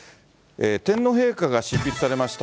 天皇陛下が執筆されました